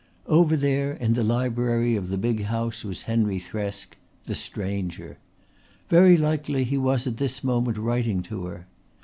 Over there in the library of the big house was Henry Thresk the stranger. Very likely he was at this moment writing to her.